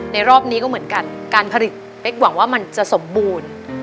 รอบนี้ก็เหมือนกันการผลิตเป๊กหวังว่ามันจะสมบูรณ์